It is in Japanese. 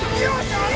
よし！